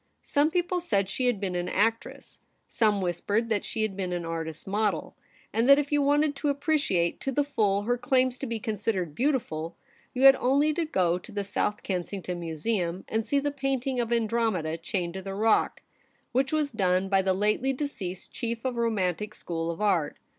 Some people said she had been an actress ; some whispered that she had been an artist's model, and that if you wanted to appreciate to the full her claims to be con sidered beautiful, you had only to go to the South Kensington Museum, and see the painting of Andromeda chained to the rock, which was done by the lately deceased chief of a romantic school of art.